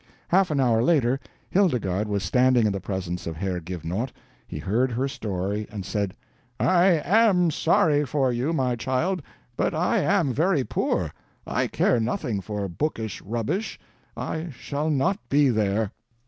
Half an hour later, Hildegarde was standing in the presence of Herr Givenaught. He heard her story, and said "I am sorry for you, my child, but I am very poor, I care nothing for bookish rubbish, I shall not be there."